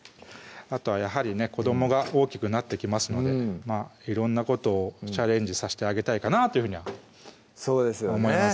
あとはやはりね子どもが大きくなってきますので色んなことをチャレンジさしてあげたいかなというふうにはそうですよね思います